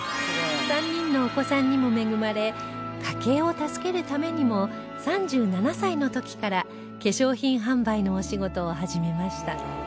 ３人のお子さんにも恵まれ家計を助けるためにも３７歳の時から化粧品販売のお仕事を始めました